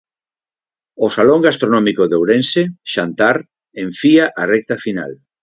O salón gastronómico de Ourense, Xantar, enfía a recta final.